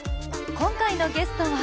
今回のゲストは？